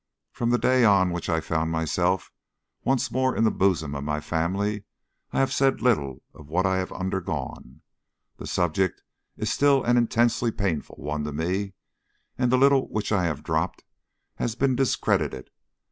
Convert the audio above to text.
From the day on which I found myself once more in the bosom of my family I have said little of what I have undergone. The subject is still an intensely painful one to me, and the little which I have dropped has been discredited.